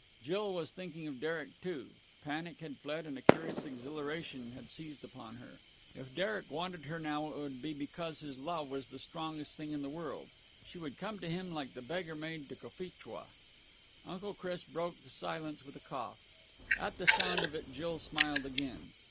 Jill was thinking of Derek, too. Panic had fled, and a curious exhilaration had seized upon her. If Derek wanted her now, it would be because his love was the strongest thing in the world. She would come to him like the beggar maid to Cophetua. Uncle Chris broke the silence with a cough. At the sound of it, Jill smiled again.